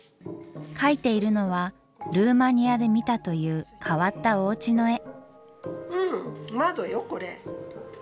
描いているのはルーマニアで見たという変わったおうちの絵。